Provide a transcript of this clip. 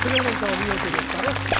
お見事でしたね